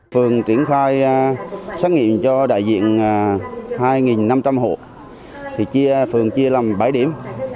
phường triển khai xét nghiệm cho đại diện hai năm trăm linh hộ chia phường chia làm bảy điểm